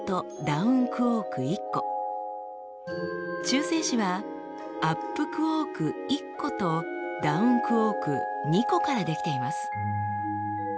中性子はアップクォーク１個とダウンクォーク２個から出来ています。